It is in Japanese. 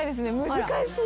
難しい。